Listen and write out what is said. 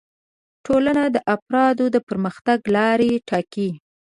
ټولنه د افرادو د پرمختګ لارې ټاکي